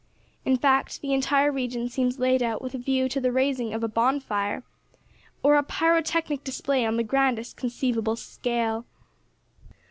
In fact, the entire region seems laid out with a view to the raising of a bonfire or a pyrotechnic display on the grandest conceivable scale.